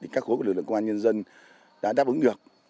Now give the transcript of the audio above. các khối của lực lượng công an nhân dân đã đáp ứng được